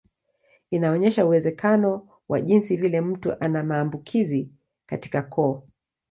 Inaonyesha uwezekano wa jinsi vile mtu ana maambukizi katika koo.